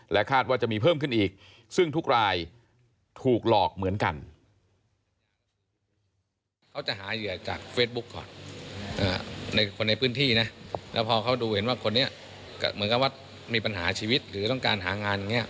คาดว่าจะมีเพิ่มขึ้นอีกซึ่งทุกรายถูกหลอกเหมือนกัน